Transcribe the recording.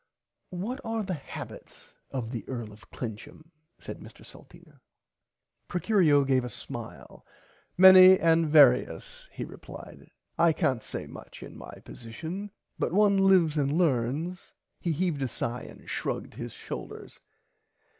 What are the habbits of the Earl of Clincham said Mr Salteena. Procurio gave a smile many and varius he replied I cant say much in my position [Pg 52] but one lives and learns. He heaved a sigh and shruged his shoulders.